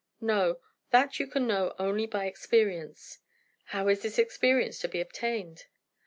"No, that you can know only by experience." "How is the experience to be obtained?"